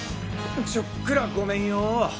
ちょっくらごめんよ。